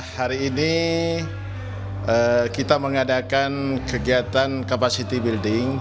hari ini kita mengadakan kegiatan capacity building